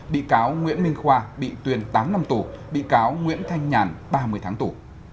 bị cáo nguyễn minh khoa bị tuyên tám năm tù bị cáo nguyễn thanh nhàn ba mươi tháng tù